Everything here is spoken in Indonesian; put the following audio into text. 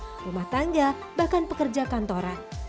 anak sekolah rumah tangga bahkan pekerja kantoran